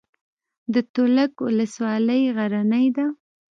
د تولک ولسوالۍ غرنۍ ده